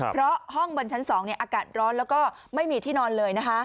เพราะห้องบนชั้น๒อากาศร้อนแล้วก็ไม่มีที่นอนเลยนะคะ